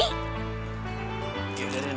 nanti kita perbaikin